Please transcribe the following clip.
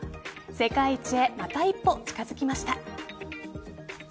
世界一へまた一歩近づきました。